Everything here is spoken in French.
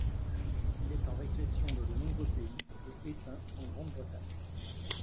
Il est en régression dans de nombreux pays, et éteint en Grande-Bretagne.